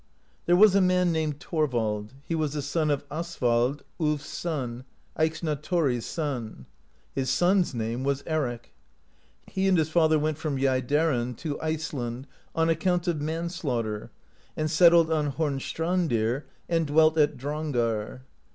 There was a man named Thorvald; he was a son of Asvald, Ulf s son, Eyxna Thori's son. His son's name was Eric. He and his father went from Jaederen (16) to Iceland, on account of manslaughter, and settled on Homstrandir, and dwelt at Drangar (17).